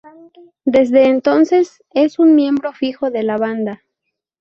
Desde entonces es un miembro fijo de la banda.